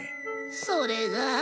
それが。